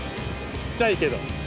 ちっちゃいけど。